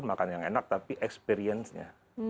makan yang enak tapi experience nya